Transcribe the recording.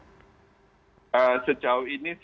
sejauh ini sih dari pertemuan kami dengan para atlet